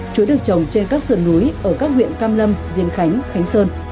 chuối được trồng trên các sườn núi ở các huyện cam lâm diên khánh khánh sơn